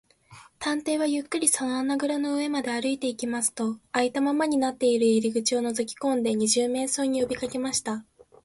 探偵はゆっくりその穴ぐらの上まで歩いていきますと、あいたままになっている入り口をのぞきこんで、二十面相によびかけました。